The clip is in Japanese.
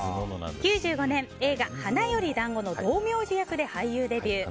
９５年、映画「花より男子」の道明寺役で俳優デビュー。